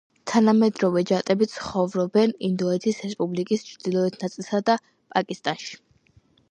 თანამედროვე ჯატები ცხოვრობენ ინდოეთის რესპუბლიკის ჩრდილოეთ ნაწილსა და პაკისტანში.